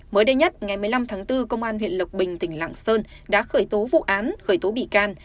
mới đây nhất ngày một mươi năm tháng bốn công an huyện lộc bình tỉnh lạng sơn đã khởi tố vụ án khởi tố bị can